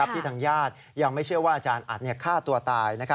ที่ทางญาติยังไม่เชื่อว่าอาจารย์อัดฆ่าตัวตาย